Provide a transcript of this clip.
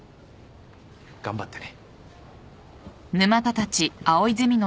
頑張ってね。